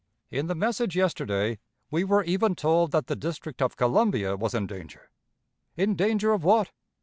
In the message yesterday, we were even told that the District of Columbia was in danger. In danger of what?